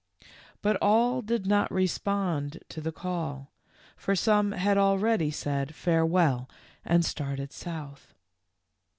But all did not respond to the call, for some had already said " Farewell " and started South.